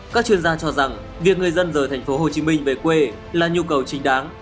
các chuyên gia cho rằng việc người dân rời thành phố hồ chí minh về quê là nhu cầu chính đáng